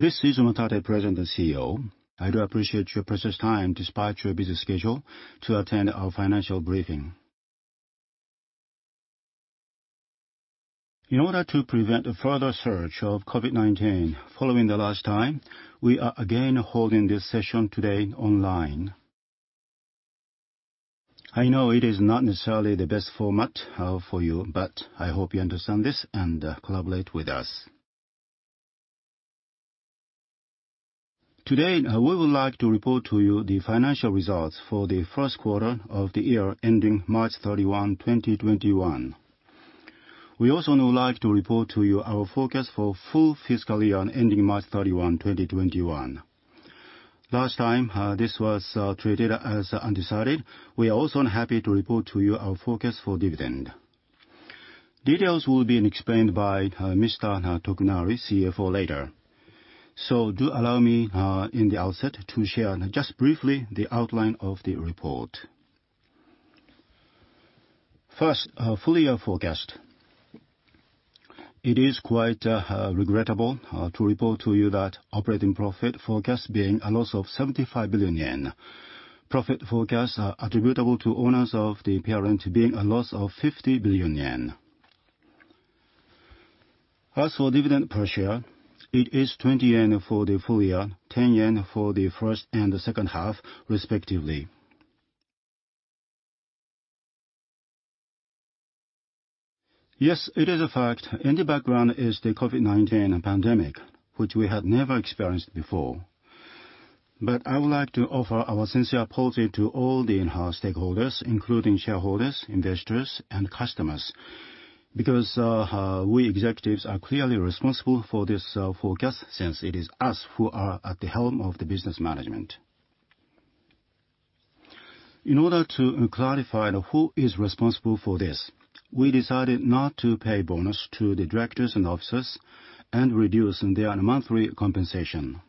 This is Umatate, President and CEO. I do appreciate your precious time despite your busy schedule to attend our financial briefing. In order to prevent a further surge of COVID-19, following the last time, we are again holding this session today online. I know it is not necessarily the best format for you. I hope you understand this and collaborate with us. Today, we would like to report to you the financial results for the first quarter of the year ending March 31, 2021. We also would like to report to you our forecast for full fiscal year ending March 31, 2021. Last time, this was treated as undecided. We are also happy to report to you our forecast for dividend. Details will be explained by Mr. Tokunari, CFO, later. Do allow me, in the outset, to share just briefly the outline of the report. First, full year forecast. It is quite regrettable to report to you that operating profit forecast being a loss of 75 billion yen. Profit forecast attributable to owners of the parent being a loss of 50 billion yen. As for dividend per share, it is 20 yen for the full year, 10 yen for the first and the second half, respectively. Yes, it is a fact. In the background is the COVID-19 pandemic, which we had never experienced before. I would like to offer our sincere apologies to all the in-house stakeholders, including shareholders, investors, and customers, because we executives are clearly responsible for this forecast, since it is us who are at the helm of the business management. In order to clarify who is responsible for this, we decided not to pay bonus to the directors and officers and reduce their monthly compensation.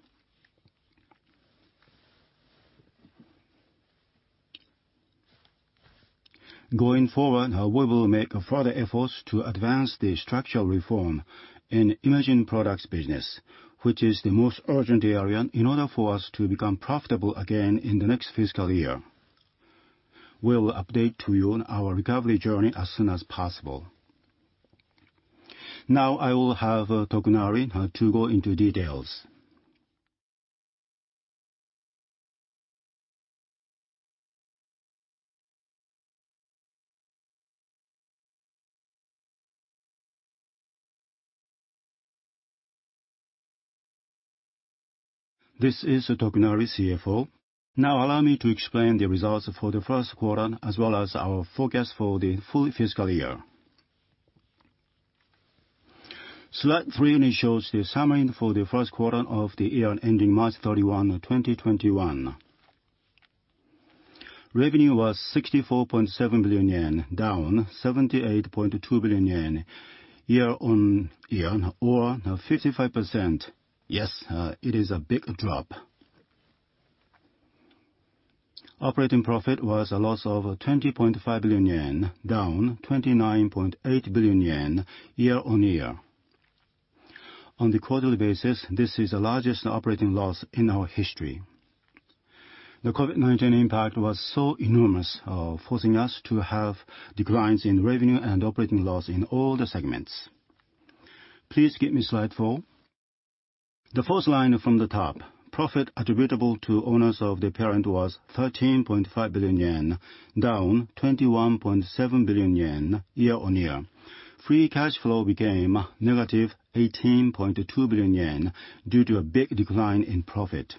Going forward, we will make further efforts to advance the structural reform in Imaging Products Business, which is the most urgent area in order for us to become profitable again in the next fiscal year. We will update to you on our recovery journey as soon as possible. I will have Tokunari to go into details. This is Tokunari, CFO. Allow me to explain the results for the first quarter, as well as our forecast for the full fiscal year. Slide three shows the summary for the first quarter of the year ending March 31, 2021. Revenue was 64.7 billion yen, down 78.2 billion yen year-on-year or 55%. It is a big drop. Operating profit was a loss of 20.5 billion yen, down 29.8 billion yen year-on-year. On the quarterly basis, this is the largest operating loss in our history. The COVID-19 impact was so enormous, forcing us to have declines in revenue and operating loss in all the segments. Please give me slide four. The first line from the top, profit attributable to owners of the parent was 13.5 billion yen, down 21.7 billion yen year-on-year. Free cash flow became -18.2 billion yen due to a big decline in profit.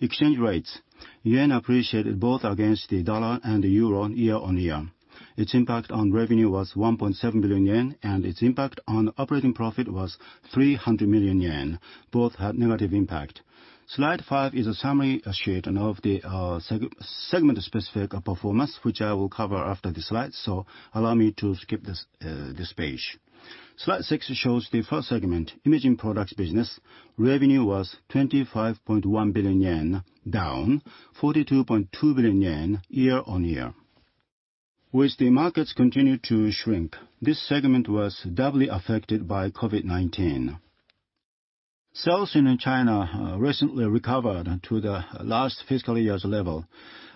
Exchange rates. Yen appreciated both against the U.S. dollar and the euro year-on-year. Its impact on revenue was 1.7 billion yen, and its impact on operating profit was 300 million yen. Both had negative impact. Slide five is a summary sheet of the segment-specific performance, which I will cover after this slide. Allow me to skip this page. Slide six shows the first segment, Imaging Products Business. Revenue was 25.1 billion yen, down 42.2 billion yen year-on-year. With the markets continuing to shrink, this segment was doubly affected by COVID-19. Sales in China recently recovered to the last fiscal year's level.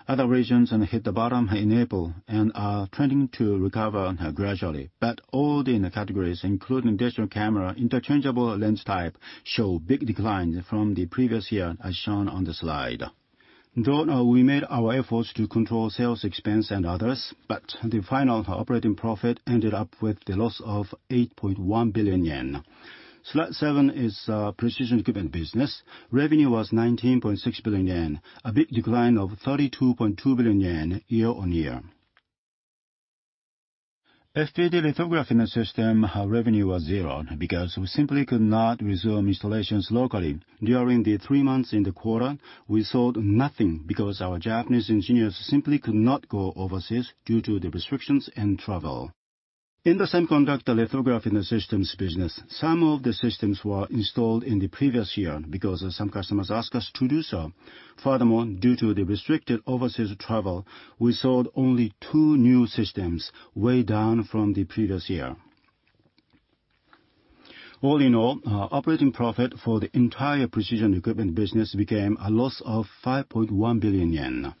Other regions hit the bottom in April and are trending to recover gradually. All the categories, including digital camera interchangeable lens type, show big declines from the previous year, as shown on the slide. Though we made our efforts to control sales expense and others, but the final operating profit ended up with the loss of 8.1 billion yen. Slide seven is Precision Equipment Business. Revenue was 19.6 billion yen, a big decline of 32.2 billion yen year-on-year. FPD lithography system revenue was zero because we simply could not resume installations locally. During the three months in the quarter, we sold nothing because our Japanese engineers simply could not go overseas due to the restrictions in travel. In the semiconductor lithography systems business, some of the systems were installed in the previous year because some customers asked us to do so. Due to the restricted overseas travel, we sold only two new systems, way down from the previous year. All in all, our operating profit for the entire Precision Equipment Business became a loss of 5.1 billion yen.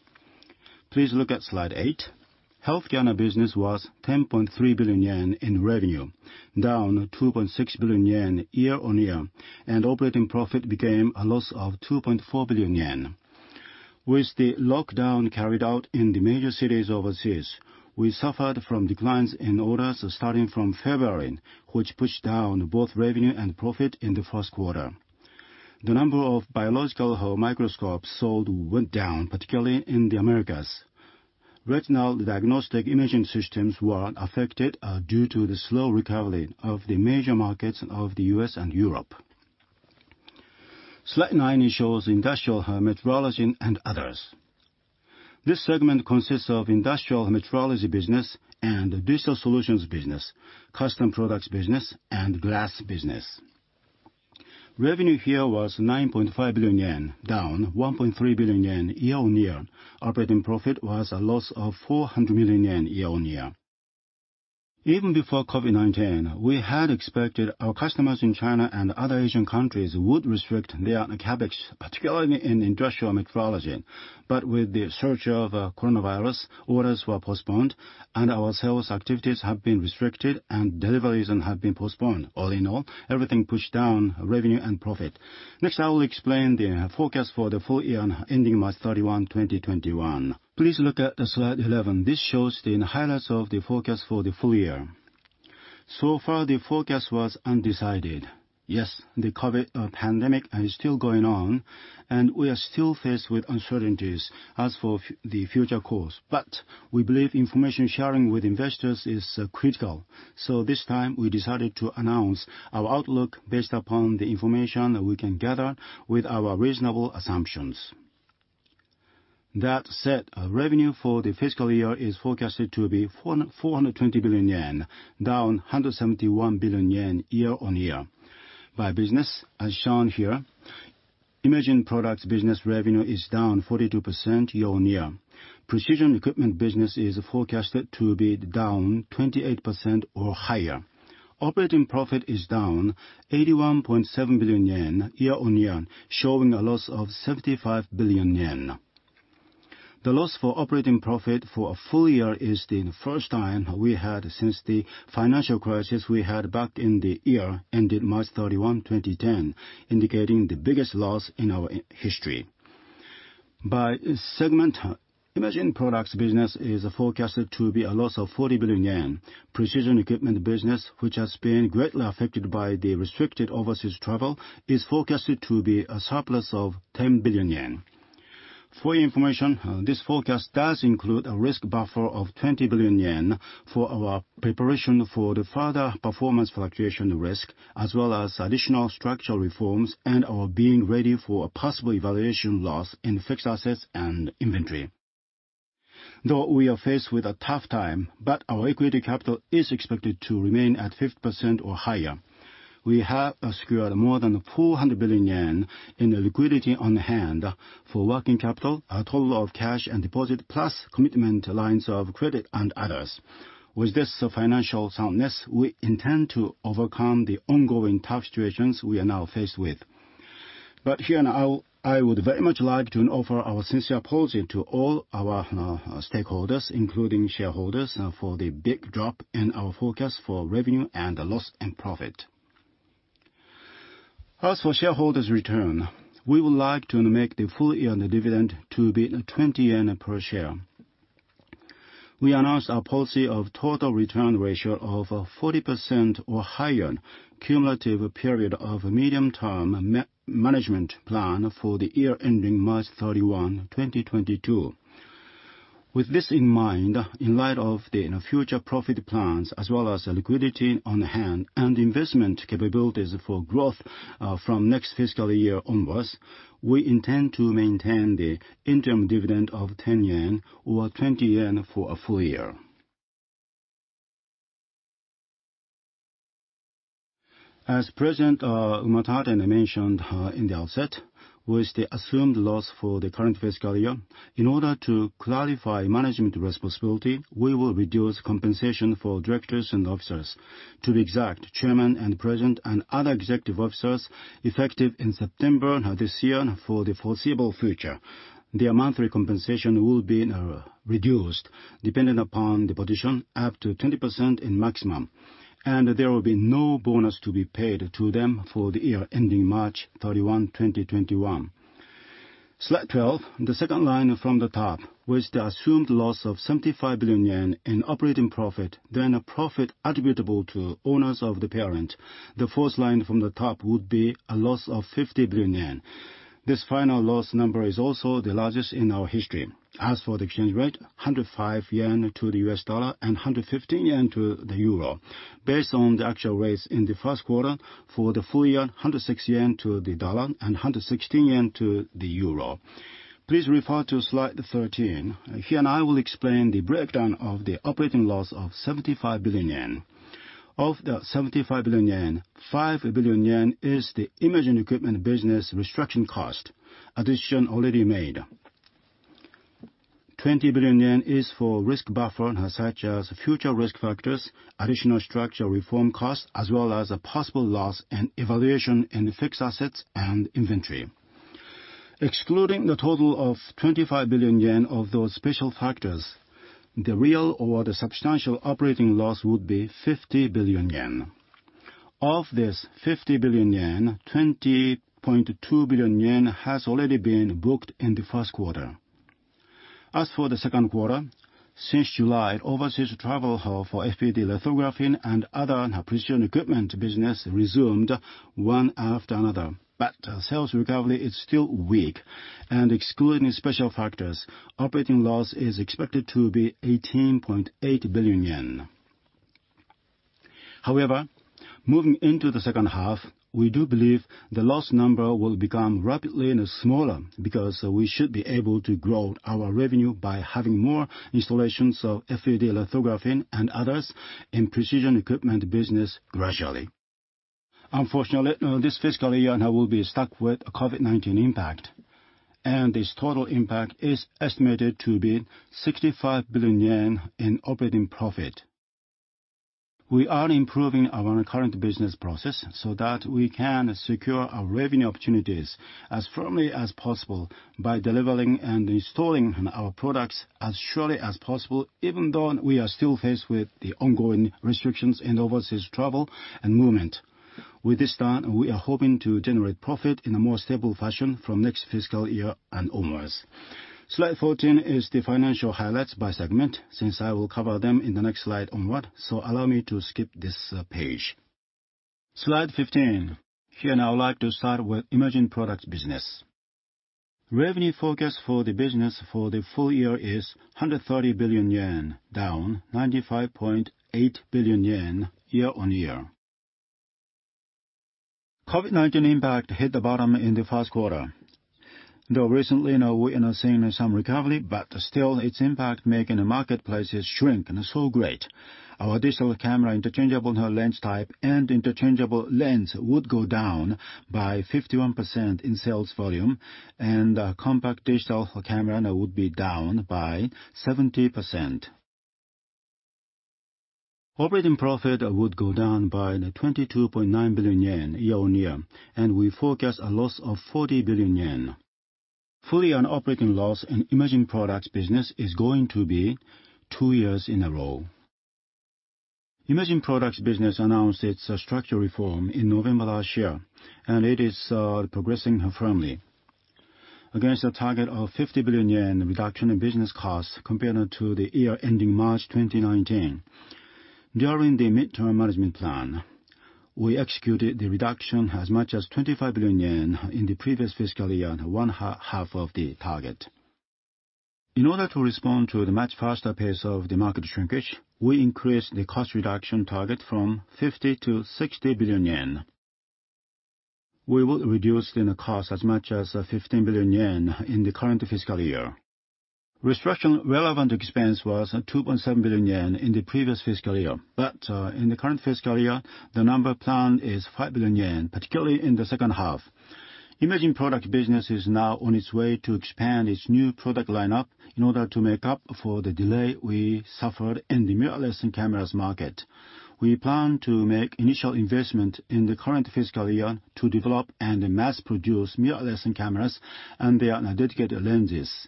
Please look at slide eight. Healthcare Business was 10.3 billion yen in revenue, down 2.6 billion yen year-on-year, and operating profit became a loss of 2.4 billion yen. With the lockdown carried out in the major cities overseas, we suffered from declines in orders starting from February, which pushed down both revenue and profit in the first quarter. The number of biological microscopes sold went down, particularly in the Americas. Retinal diagnostic imaging systems were affected due to the slow recovery of the major markets of the U.S. and Europe. Slide nine shows Industrial Metrology and others. This segment consists of Industrial Metrology Business and Digital Solutions Business, Customized Products Business, and Glass Business. Revenue here was 9.5 billion yen, down 1.3 billion yen year-on-year. Operating profit was a loss of 400 million yen year-on-year. Even before COVID-19, we had expected our customers in China and other Asian countries would restrict their particularly in Industrial Metrology. With the surge of coronavirus, orders were postponed, and our sales activities have been restricted, and deliveries have been postponed. All in all, everything pushed down revenue and profit. Next, I will explain the forecast for the full year ending March 31, 2021. Please look at slide 11. This shows the highlights of the forecast for the full year. So far, the forecast was undecided. The COVID-19 pandemic is still going on, and we are still faced with uncertainties as for the future course. We believe information sharing with investors is critical. This time, we decided to announce our outlook based upon the information that we can gather with our reasonable assumptions. That said, revenue for the fiscal year is forecasted to be 420 billion yen, down 171 billion yen year-on-year. By business, as shown here, Imaging Products Business revenue is down 42% year-on-year. Precision Equipment Business is forecasted to be down 28% or higher. Operating profit is down 81.7 billion yen year-on-year, showing a loss of 75 billion yen. The loss for operating profit for a full year is the first time we had since the financial crisis we had back in the year ending March 31, 2010, indicating the biggest loss in our history. By segment, Imaging Products Business is forecasted to be a loss of 40 billion yen. Precision Equipment Business, which has been greatly affected by the restricted overseas travel, is forecasted to be a surplus of 10 billion yen. For your information, this forecast does include a risk buffer of 20 billion yen for our preparation for the further performance fluctuation risk, as well as additional structural reforms and our being ready for a possible evaluation loss in fixed assets and inventory. Though we are faced with a tough time, our equity capital is expected to remain at 50% or higher. We have secured more than 400 billion yen in liquidity on hand for working capital, a total of cash and deposit, plus commitment lines of credit and others. With this financial soundness, we intend to overcome the ongoing tough situations we are now faced with. Here now, I would very much like to offer our sincere apologies to all our stakeholders, including shareholders, for the big drop in our forecast for revenue and the loss and profit. As for shareholders' return, we would like to make the full year dividend to be 20 yen per share. We announced our policy of total return ratio of 40% or higher cumulative period of medium-term management plan for the year ending March 31, 2022. With this in mind, in light of the future profit plans as well as liquidity on hand and investment capabilities for growth from next fiscal year onwards, we intend to maintain the interim dividend of 10 yen or 20 yen for a full year. As President Umatate mentioned in the outset, with the assumed loss for the current fiscal year, in order to clarify management responsibility, we will reduce compensation for directors and officers. To be exact, Chairman and President and other executive officers, effective in September this year for the foreseeable future. Their monthly compensation will be reduced depending upon the position, up to 20% in maximum. There will be no bonus to be paid to them for the year ending March 31, 2021. Slide 12, the second line from the top, with the assumed loss of 75 billion yen in operating profit, then a profit attributable to owners of the parent. The first line from the top would be a loss of 50 billion yen. This final loss number is also the largest in our history. As for the exchange rate, 105 yen to the U.S. dollar and 115 yen to the euro. Based on the actual rates in the first quarter, for the full year, 106 yen to the U.S. dollar and 116 yen to the euro. Please refer to slide 13. Here, I will explain the breakdown of the operating loss of 75 billion yen. Of the 75 billion yen, 5 billion yen is the Imaging Products Business restructuring cost, a decision already made. 20 billion yen is for risk buffer, such as future risk factors, additional structural reform costs, as well as a possible loss in evaluation in fixed assets and inventory. Excluding the total of 25 billion yen of those special factors, the real or the substantial operating loss would be 50 billion yen. Of this 50 billion yen, 20.2 billion yen has already been booked in the first quarter. As for the second quarter, since July, overseas travel for FPD lithography and other Precision Equipment Business resumed one after another. Sales recovery is still weak, and excluding special factors, operating loss is expected to be 18.8 billion yen. However, moving into the second half, we do believe the loss number will become rapidly smaller because we should be able to grow our revenue by having more installations of FPD lithography and others in Precision Equipment Business gradually. Unfortunately, this fiscal year will be stuck with a COVID-19 impact, and this total impact is estimated to be 65 billion yen in operating profit. We are improving our current business process so that we can secure our revenue opportunities as firmly as possible by delivering and installing our products as surely as possible, even though we are still faced with the ongoing restrictions in overseas travel and movement. With this done, we are hoping to generate profit in a more stable fashion from next fiscal year and onwards. Slide 14 is the financial highlights by segment since I will cover them in the next slide onward, so allow me to skip this page. Slide 15. Here, I would like to start with Imaging Products Business. Revenue forecast for the business for the full year is 130 billion yen, down 95.8 billion yen year-on-year. COVID-19 impact hit the bottom in the first quarter. Recently, we are now seeing some recovery, but still, its impact making the marketplaces shrink so great. Our digital camera interchangeable lens type and interchangeable lens would go down by 51% in sales volume, and compact digital camera now would be down by 70%. Operating profit would go down by 22.9 billion yen year-on-year, and we forecast a loss of 40 billion yen. Fully on operating loss and Imaging Products Business is going to be two years in a row. Imaging Products Business announced its structural reform in November last year, and it is progressing firmly. Against a target of 50 billion yen reduction in business costs compared now to the year ending March 2019, during the medium-term management plan, we executed the reduction as much as 25 billion yen in the previous fiscal year, one half of the target. In order to respond to the much faster pace of the market shrinkage, we increased the cost reduction target from 50 billion-60 billion yen. We will reduce then the cost as much as 15 billion yen in the current fiscal year. Restructuring relevant expense was 2.7 billion yen in the previous fiscal year, but, in the current fiscal year, the number plan is 5 billion yen, particularly in the second half. Imaging Product Business is now on its way to expand its new product lineup in order to make up for the delay we suffered in the mirrorless cameras market. We plan to make initial investment in the current fiscal year to develop and mass produce mirrorless cameras and their dedicated lenses.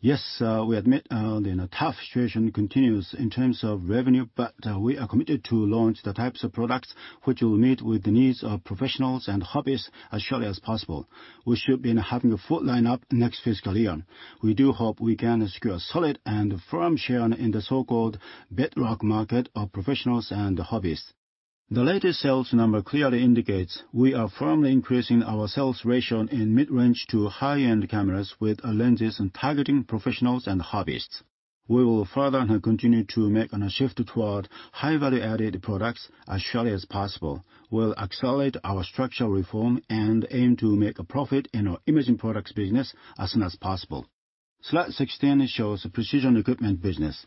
Yes, we admit the tough situation continues in terms of revenue, but we are committed to launch the types of products which will meet with the needs of professionals and hobbyists as surely as possible. We should be having a full lineup next fiscal year. We do hope we can secure a solid and firm share in the so-called bedrock market of professionals and hobbyists. The latest sales number clearly indicates we are firmly increasing our sales ratio in mid-range to high-end cameras with lenses targeting professionals and hobbyists. We will further continue to make a shift toward high-value added products as surely as possible. We'll accelerate our structural reform and aim to make a profit in our Imaging Products Business as soon as possible. Slide 16 shows the Precision Equipment Business.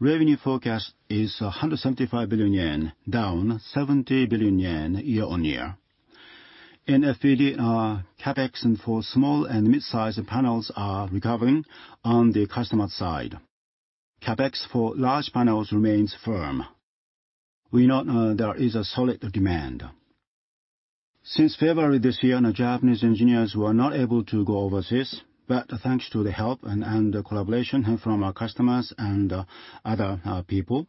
Revenue forecast is 175 billion yen, down 70 billion yen year-on-year. In FPD, CapEx and for small and mid-size panels are recovering on the customer side. CapEx for large panels remains firm. We know there is a solid demand. Since February this year, Japanese engineers were not able to go overseas. Thanks to the help and collaboration from our customers and other people,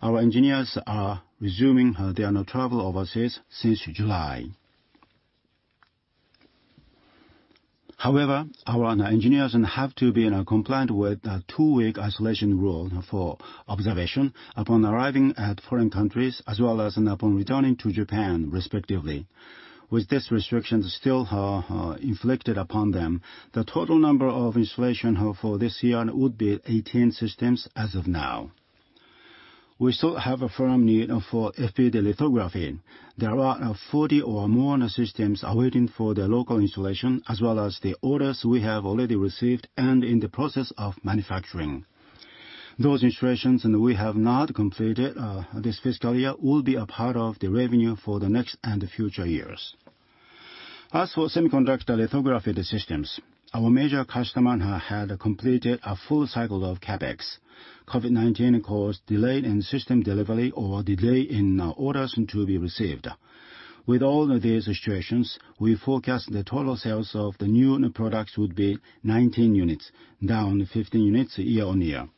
our engineers are resuming their travel overseas since July. However, our engineers have to be in compliance with a two-week isolation rule for observation upon arriving at foreign countries as well as upon returning to Japan, respectively. With this restriction still inflicted upon them, the total number of installation now for this year would be 18 systems as of now. We still have a firm need for FPD lithography. There are now 40 or more systems waiting for their local installation, as well as the orders we have already received and in the process of manufacturing. Those installations that we have not completed this fiscal year will be a part of the revenue for the next and future years. As for semiconductor lithography systems, our major customer had completed a full cycle of CapEx. COVID-19 caused delays in system delivery or delays in orders to be received. With all of these situations, we forecast the total sales of the new products would be 19 units, down 15 units year-on-year.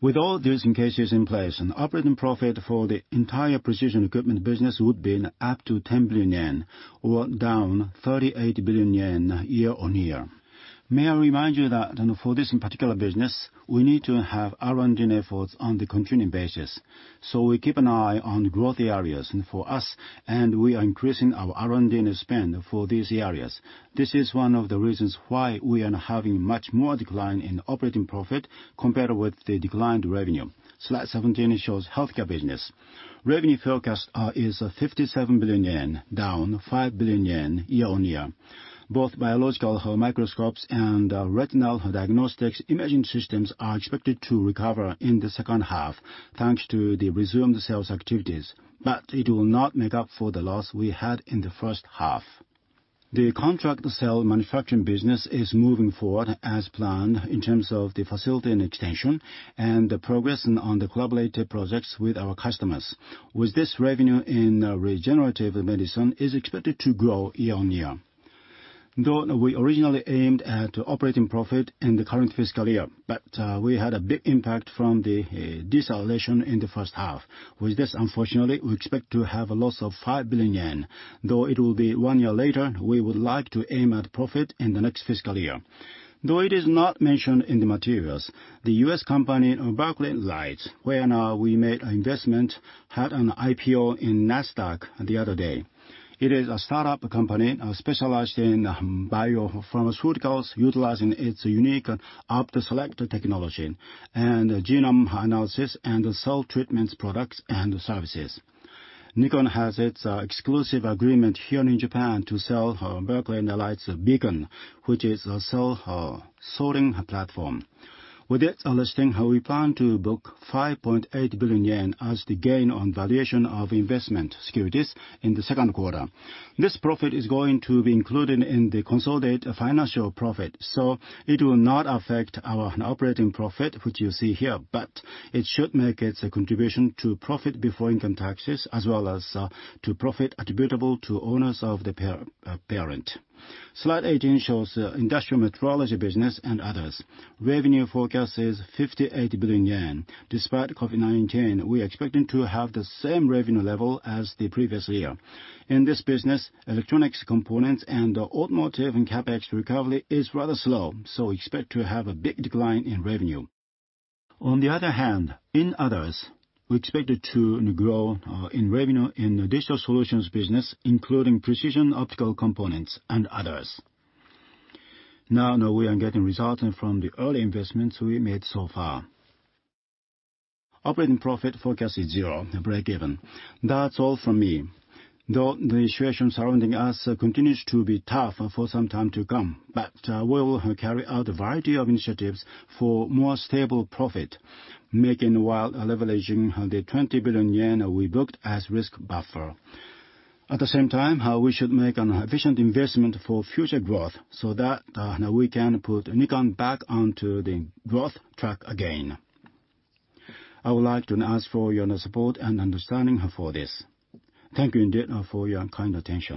With all these cases in place, operating profit for the entire Precision Equipment Business would be up to 10 billion yen, or down 38 billion yen year-on-year. May I remind you that for this particular business, we need to have R&D efforts on a continuing basis. We keep an eye on growth areas for us, and we are increasing our R&D spend for these areas. This is one of the reasons why we are having much more decline in operating profit compared with the declined revenue. Slide 17 shows Healthcare Business. Revenue forecast is 57 billion yen, down 5 billion yen year-on-year. Both biological microscopes and retinal diagnostic imaging systems are expected to recover in the second half, thanks to the resumed sales activities. It will not make up for the loss we had in the first half. The contract cell manufacturing business is moving forward as planned in terms of the facility and extension, and progress on the collaborative projects with our customers. With this, revenue in regenerative medicine is expected to grow year-on-year. We originally aimed at operating profit in the current fiscal year, but we had a big impact from the deceleration in the first half. With this, unfortunately, we expect to have a loss of 5 billion yen. It will be one year later, we would like to aim at profit in the next fiscal year. It is not mentioned in the materials, the U.S. company, Berkeley Lights, where we made an investment, had an IPO in NASDAQ the other day. It is a startup company specialized in biopharmaceuticals, utilizing its unique OptoSelect technology, and genome analysis, and cell treatments products and services. Nikon has its exclusive agreement here in Japan to sell Berkeley Lights Beacon, which is a cell sorting platform. With it, understanding how we plan to book 5.8 billion yen as the gain on valuation of investment securities in the second quarter. This profit is going to be included in the consolidated financial profit, so it will not affect our operating profit, which you see here, but it should make its contribution to profit before income taxes, as well as to profit attributable to owners of the parent. Slide 18 shows the Industrial Metrology business and others. Revenue forecast is 58 billion yen. Despite COVID-19, we are expecting to have the same revenue level as the previous year. In this business, electronics components and automotive and CapEx recovery is rather slow, so expect to have a big decline in revenue. On the other hand, in others, we expected to grow in revenue in the Digital Solutions Business, including precision optical components and others. Now we are getting results from the early investments we made so far. Operating profit forecast is zero, breakeven. That's all from me. Though the situation surrounding us continues to be tough for some time to come, but we will carry out a variety of initiatives for more stable profit, making while leveraging the 20 billion yen we booked as risk buffer. At the same time, we should make an efficient investment for future growth so that we can put Nikon back onto the growth track again. I would like to ask for your support and understanding for this. Thank you indeed for your kind attention.